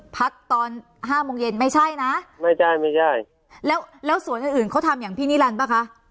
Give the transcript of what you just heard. พักตอนห้าโมงเย็นไม่ใช่นะไม่ใช่ไม่ใช่แล้วแล้วสวนอื่นอื่นเขาทำอย่างพี่นิรันดิป่ะคะ